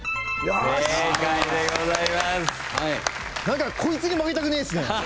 何かこいつに負けたくねえですね。